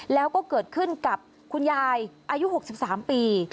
แล้วก็เกิดขึ้นกับคุณยายอายุ๖๓ปี